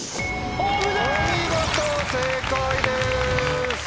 お見事正解です。